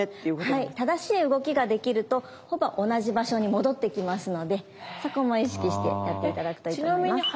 はい正しい動きができるとほぼ同じ場所に戻ってきますのでそこも意識してやって頂くといいと思います。